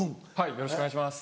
よろしくお願いします。